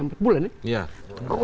empat bulan ya